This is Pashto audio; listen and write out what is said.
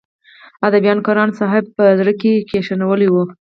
اديبانو ګران صاحب په زړه کښې کښينولی وو